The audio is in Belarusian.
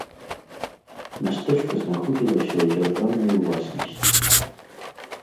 Мястэчка знаходзілася ў дзяржаўнай уласнасці.